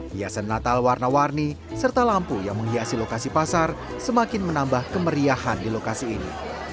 hiasan natal warna warni serta lampu yang menghiasi lokasi pasar semakin menambah kemeriahan di lokasi ini